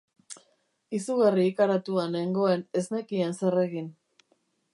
Izugarri ikaratua nengoen, ez nekien zer egin.